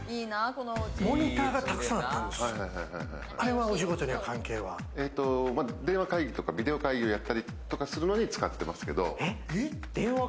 モニターが、たくさんあったんですよ、あれは電話会議とか、ビデオ会議とかやったりするのに使ってますけれども。